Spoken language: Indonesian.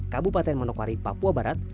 kabupaten manokwari papua barat